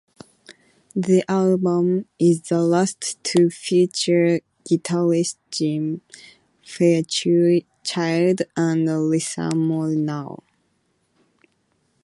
The album is the last to feature guitarist Jim Fairchild and Lisa Molinaro.